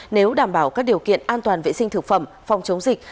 nếu đảm bảo các điều kiện an toàn vệ sinh thực phẩm phòng chống dịch